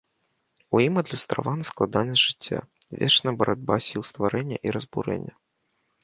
У ім адлюстравана складанасць жыцця, вечная барацьба сіл стварэння і разбурэння.